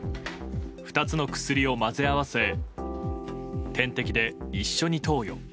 ２つの薬を混ぜ合わせ点滴で一緒に投与。